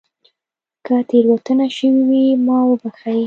که تېروتنه شوې وي ما وبښئ